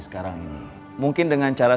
sekarang ini mungkin dengan cara